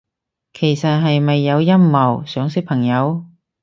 其實係咪有陰謀，想識朋友？